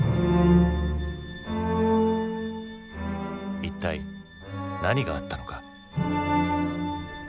一体何があったのか？